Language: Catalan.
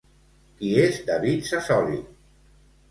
Qui és David Sassoli?